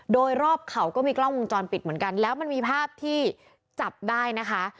โดยรอบเขาก็มีกล้องวงจรปิดเหมือนกันแล้วมันมีภาพที่จับได้นะคะ